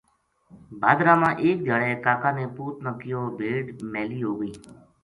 بھادرا ما ایک دھیاڑے کا کا نے پُوت نا کہیو بھیڈ میلی ہو گئی